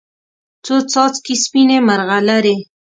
څو څاڅکي سپینې، مرغلرې